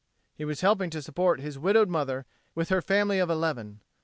He was helping to support his widowed mother with her family of eleven.